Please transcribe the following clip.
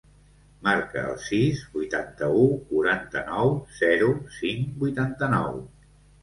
Marca el sis, vuitanta-u, quaranta-nou, zero, cinc, vuitanta-nou.